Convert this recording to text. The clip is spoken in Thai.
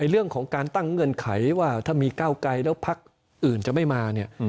เรื่องของการตั้งเงื่อนไขว่าถ้ามีก้าวไกลแล้วพักอื่นจะไม่มาเนี่ย